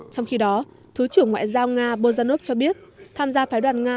trong khi đó thứ trưởng ngoại giao nga bozanov cho biết tham gia phái đoàn nga